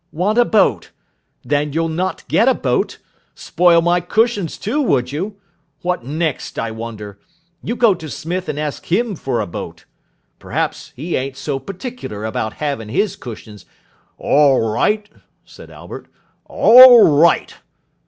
"Want a boat! Then you'll not get a boat. Spoil my cushions, too, would you? What next, I wonder! You go to Smith and ask him for a boat. Perhaps he ain't so particular about having his cushions " "Orl right," said Albert, "orl right."